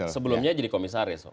sebelumnya jadi komisaris